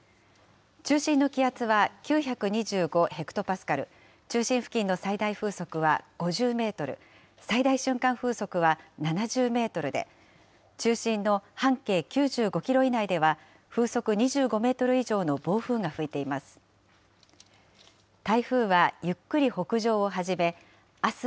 中心の気圧は９２５ヘクトパスカル、中心付近の最大風速は５０メートル、最大瞬間風速は７０メートルで、中心の半径９５キロ以内では、風速２５メートル以上の暴風が吹いています。